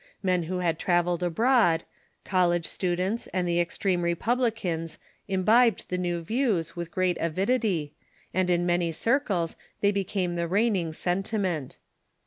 Men who had travelled abroad, college students, and the extreme republicans imbibed the new views with great avidity, and in many circles they became the reigning sentiment.